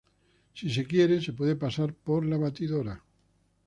Si se quiere se puede pasar por la batidora.